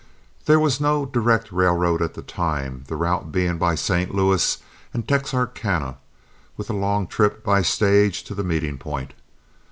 There was no direct railroad at the time, the route being by St. Louis and Texarkana, with a long trip by stage to the meeting point.